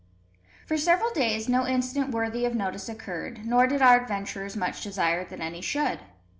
For several days no incident worthy of notice occurred, nor did our adventurers much desire that any should.